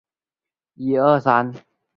早年肄业于绥德省立第四师范学校肄业。